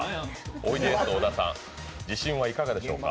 おいでやす小田さん、自信はいかがでしょうか？